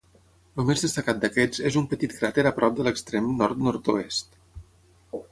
El més destacat d'aquests és un petit cràter a prop de l'extrem nord nord-oest.